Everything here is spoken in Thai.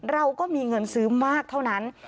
เราก็มีเงินซื้อมากเท่านั้น